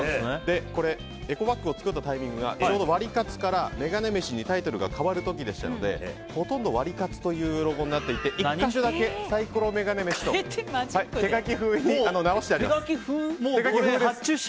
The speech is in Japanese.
これ、エコバッグを作ったタイミングがちょうどワリカツからメガネ飯にタイトルが変わる時でしたのでほとんどワリカツというロゴになっていて１か所だけサイコロメガネ飯と手書き風に手書き風？